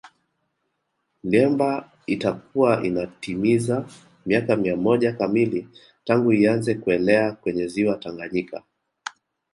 Liemba itakuwa inatimiza miaka mia moja kamili tangu ianze kuelea kwenye Ziwa Tanganyika